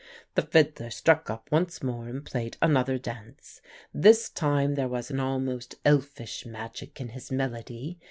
"The fiddler struck up once more and played another dance. This time there was an almost elfish magic in his melody.